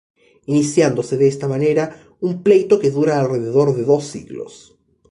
Iniciándose de esta manera un pleito que dura alrededor de dos siglos.